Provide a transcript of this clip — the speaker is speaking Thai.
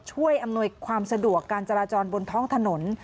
อำนวยความสะดวกการจราจรบนท้องถนน